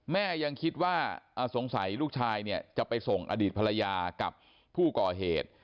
แม่ยังคิดว่าสงสัยลูกชายเนี่ยจะไปส่งอดีตภรรยากับผู้ก่อเหตุ